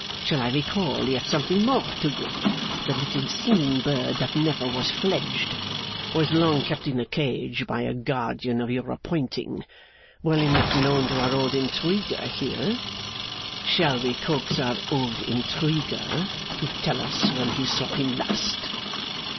Shall I recall yet something more to you? The little singing bird that never was fledged, was long kept in a cage by a guardian of your appointing, well enough known to our old intriguer here. Shall we coax our old intriguer to tell us when he saw him last?